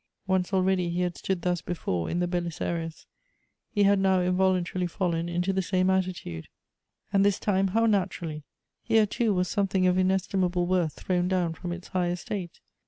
Once already he had stood thus before in the Belisarius ; he had now involuntarily fallen into the same attitude. Elective Affinities. 321 And this time how naturally ! Here, too, was something of inestimable worth thrown down from its high estate.